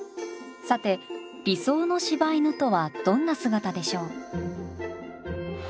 さて理想の柴犬とはどんな姿でしょう。